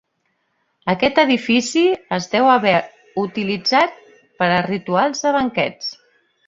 Aquest edifici es deu haver utilitzat per a rituals de banquets.